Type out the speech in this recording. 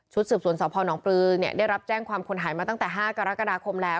สืบสวนสพนปลือเนี่ยได้รับแจ้งความคนหายมาตั้งแต่๕กรกฎาคมแล้ว